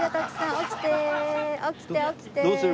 起きて起きて。